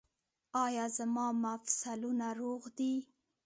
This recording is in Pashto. ایا زما مفصلونه روغ دي؟